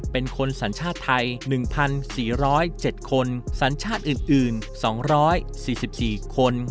เป็นคนสัญชาติไทย๑๔๐๗คนสัญชาติอื่น๒๔๔คน